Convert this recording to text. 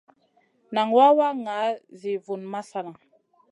Nan wawa ŋa zi vun masana.